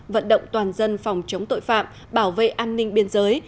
vận động toàn dân phòng chống tội phạm bảo vệ an ninh biên giới